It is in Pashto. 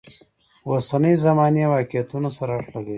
اوسنۍ زمانې واقعیتونو سره اړخ لګوي.